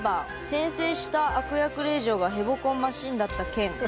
「転生した悪役令嬢がヘボコンマシンだった件」。